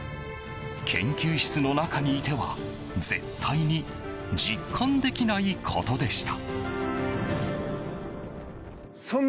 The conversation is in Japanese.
研究室の中にいては絶対に実感できないことでした。